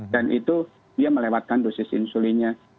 dan itu dia melewatkan dosis insulinnya